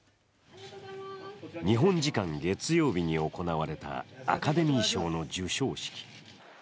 日本時間月曜日に行われたアカデミー賞の授賞式。